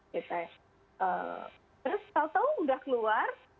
terus tau tau udah keluar